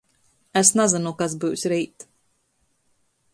Es nazynu, kas byus reit.